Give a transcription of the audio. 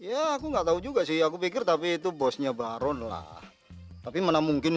maksud revitalisasi bagaimana dia romanis bersasia siap dan berapa ketahuan